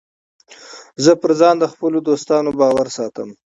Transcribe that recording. زه پر ځان د خپلو دوستانو باور ساتم.